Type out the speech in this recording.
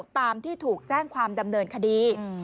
ตามที่ถูกแจ้งความดำเนินคดี